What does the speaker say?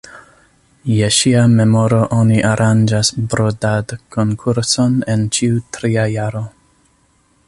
Je ŝia memoro oni aranĝas brodad-konkurson en ĉiu tria jaro.